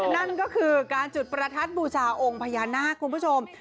นั่นก็คือการจุดประทัดบูชาองค์พญานาคคุณผู้ชม